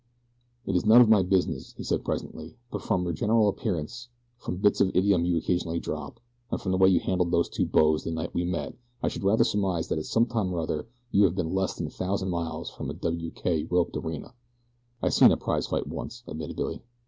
"It is none of my business," he said presently; "but from your general appearance, from bits of idiom you occasionally drop, and from the way you handled those two boes the night we met I should rather surmise that at some time or other you had been less than a thousand miles from the w.k. roped arena." "I seen a prize fight once," admitted Billy.